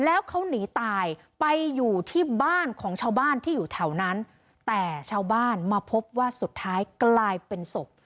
แล้วเขาหนีตายไปอยู่ที่บ้านของชาวบ้านที่อยู่แถวนั้นแต่ชาวบ้านมาพบว่าสุดท้ายกลายเป็นศพ